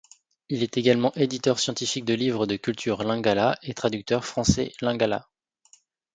Il est également éditeur scientifiques de livres de culture lingala et traducteur Français-Lingala.